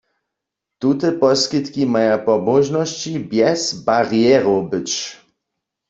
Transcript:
Tute poskitki maja po móžnosći bjez barjerow być.